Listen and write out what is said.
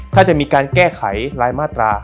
ถ้าจะมีการแก้ไขรายมาตรา